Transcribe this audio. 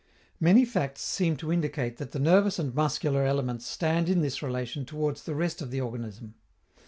Many facts seem to indicate that the nervous and muscular elements stand in this relation towards the rest of the organism.